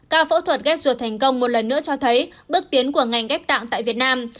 ca phẫu thuật ghép ruột thành công một lần nữa cho thấy bước tiến của ngành ghép tạng tại việt nam